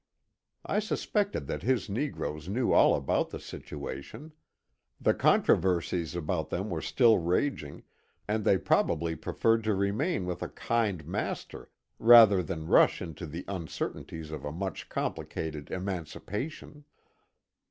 I suspected that his negroes knew all about the situation ; the controversies about them were still raging, and they probably preferred to remain with a kind master rather than rush into the uncertainties of a much complicated ^* emancipation."